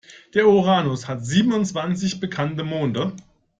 Der Uranus hat siebenundzwanzig bekannte Monde.